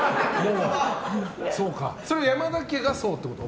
山田家がそうってこと？